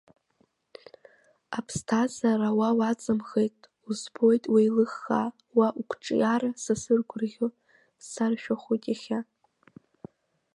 Аԥсҭазаара уа уаҵамхеит, узбоит уеилыхха уа уқәҿиара са сыргәырӷьо саршәахәоит иахьа?